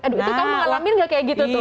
aduh itu kamu ngalamin gak kayak gitu tuh